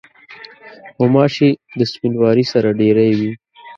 غوماشې د سپینواري سره ډېری وي.